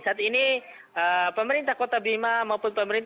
saat ini pemerintah kota bima maupun pemerintah